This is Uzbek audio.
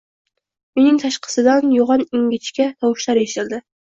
Uyning tashqisidan yo‘g‘on-ingichka tovushlar eshitildi